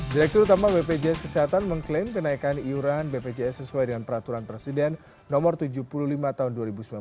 direktur utama bpjs kesehatan mengklaim kenaikan iuran bpjs sesuai dengan peraturan presiden no tujuh puluh lima tahun dua ribu sembilan belas